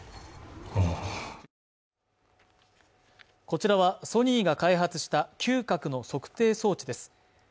こちらはソニーが開発した嗅覚の測定装置です